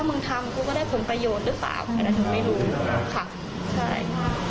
เข้ามาเป็นแรงจูงใจให้ทำตรงนี้